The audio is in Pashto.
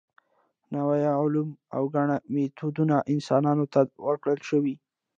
نوي علوم او ګڼ میتودونه انسانانو ته ورکړل شوي.